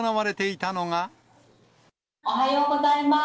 おはようございます。